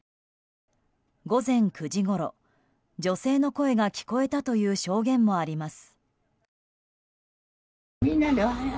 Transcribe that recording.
午前９時ごろ、女性の声が聞こえたという証言もあります。